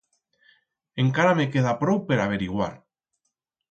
Encara me queda prou per averiguar.